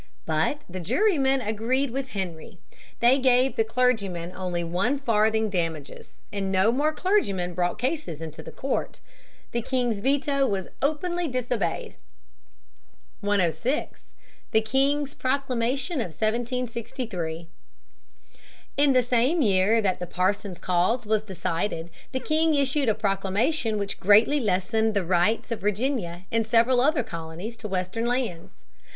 But the jurymen agreed with Henry. They gave the clergyman only one farthing damages, and no more clergymen brought cases into the court. The king's veto was openly disobeyed. [Sidenote: Proclamation of 1763. McMaster, 110.] 106. The King's Proclamation of 1763. In the same year that the Parson's Cause was decided the king issued a proclamation which greatly lessened the rights of Virginia and several other colonies to western lands.